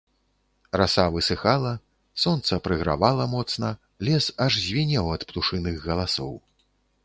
Раса высыхала, сонца прыгравала моцна, лес аж звінеў ад птушыных галасоў.